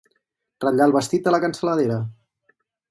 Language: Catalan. Ratllar el vestit de la cansaladera.